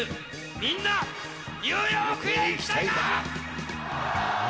みんな、ニューヨークへ行きたいおー！